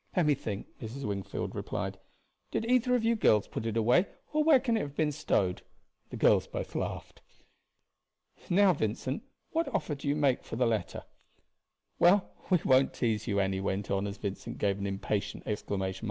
"Let me think," Mrs. Wingfield replied. "Did either of you girls put it away, or where can it have been stowed?" The girls both laughed. "Now, Vincent, what offer do you make for the letter? Well, we won't tease you," Annie went on as Vincent gave an impatient exclamation.